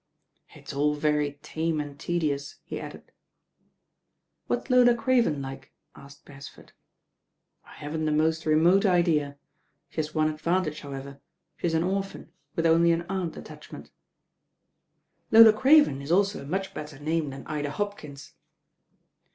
It's all very tame and tedious." he added. ••What's Lola Craven like?" asked Beresford. 'I haven't the most remote idea. She has one advantage, however, she's an orphan, with only an aunt attachment." ••Lola Craven is also a much better name than Ida Hopkins."